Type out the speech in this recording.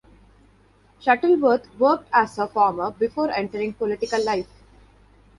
Shuttleworth worked as a farmer before entering political life.